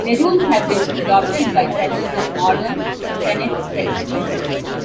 Their rules have been adopted by sellers of modern senet sets.